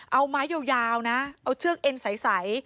เอาไม้ยาวนะเอาเชือกเอ็นใส